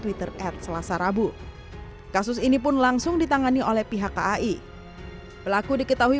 twitter at selasa rabu kasus ini pun langsung ditangani oleh pihak kai pelaku diketahui